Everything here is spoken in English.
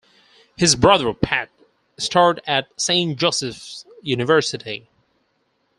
His brother, Pat, starred at Saint Joseph's University.